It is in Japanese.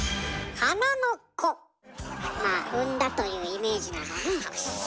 まあ産んだというイメージなのね。